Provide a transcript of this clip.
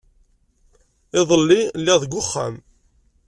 Iḍelli, lliɣ deg uxxam.